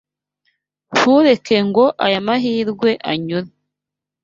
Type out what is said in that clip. Ntureke ngo aya mahirwe anyure.